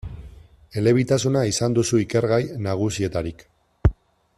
Elebitasuna izan duzu ikergai nagusietarik.